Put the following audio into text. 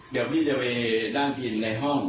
เดี๋ยวพี่จะไปนั่งกินในห้อง